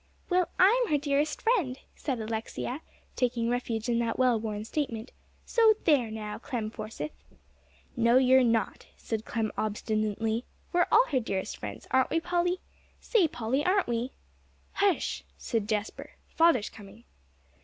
"Well, I'm her dearest friend," added Alexia, taking refuge in that well worn statement, "so there now, Clem Forsythe." "No, you're not," said Clem obstinately; "we're all her dearest friends, aren't we, Polly? Say, Polly, aren't we?" "Hush!" said Jasper. "Father's coming."